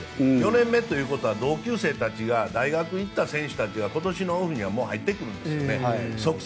４年目ということは同級生たちが大学に行った選手たちが今年のオフには即戦力として入ってくるんですよね。